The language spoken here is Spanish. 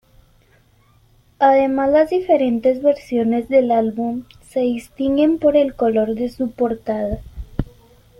Además, las diferentes versiones del álbum se distinguen por el color de su portada.